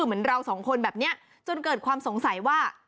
เหมือนเราสองคนแบบนี้จนเกิดความสงสัยว่า